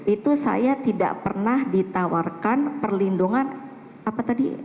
itu saya tidak pernah ditawarkan perlindungan apa tadi